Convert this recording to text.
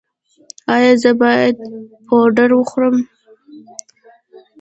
ایا زه باید پوډر وخورم؟